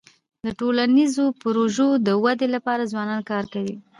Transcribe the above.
د ټولنیزو پروژو د ودی لپاره ځوانان کار کوي.